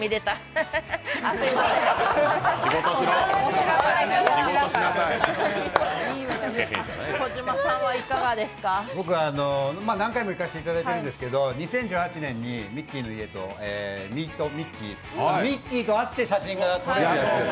へへへ僕は何回も行かせていただいてるんですけど２０１８年にミッキーの家とミート・ミッキー、ミッキーと会って写真が撮れる。